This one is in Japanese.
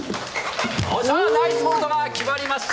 ナイスヴォルトが決まりました！